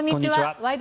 「ワイド！